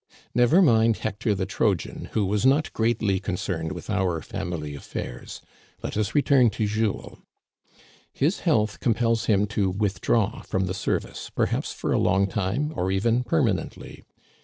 Never mind Hector the Trojan, who was not greatly concerned with our family affairs. Let us return to Jules. His health compels him to withdraw from the service, per haps for a long time, or even permanently.